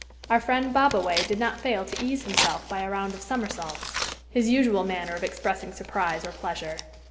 Our friend Bobaway did not fail to ease himself by a round of somersaults, his usual manner of expressing surprise or pleasure.